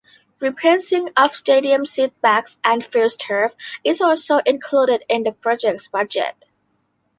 Replacing of stadium seatbacks and FieldTurf is also included in the project's budget.